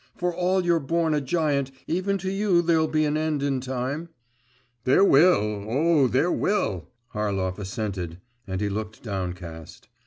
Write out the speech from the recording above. For all you're born a giant, even to you there'll be an end in time.' 'There will! oh, there will!' Harlov assented and he looked downcast.